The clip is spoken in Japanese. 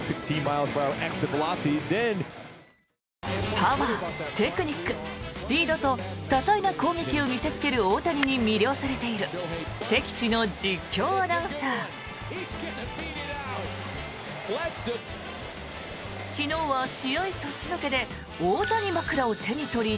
パワー、テクニックスピードと多彩な攻撃を見せつける大谷に魅了されている敵地の実況アナウンサー。